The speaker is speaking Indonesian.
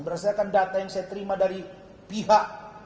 berdasarkan data yang saya terima dari pihak